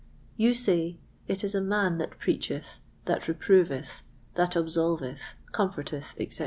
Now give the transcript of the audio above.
You say, It is a man that preacheth, that reproveth, that absolveth, comforteth, etc.